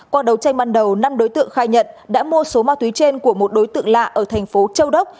qua đầu tranh ban đầu năm đối tượng khai nhận đã mua số ma túy trên của một đối tượng lạ ở thành phố châu đốc